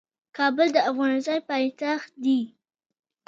کابل د افغانستان پايتخت دي.